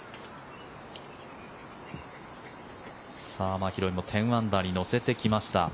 マキロイも１０アンダーに乗せてきました。